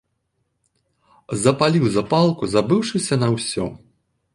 Запаліў запалку, забыўшыся на ўсё.